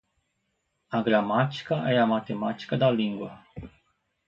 A gramática é a matemática da língua